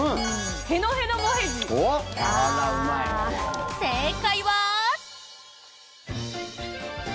へのへのもへじ！正解は。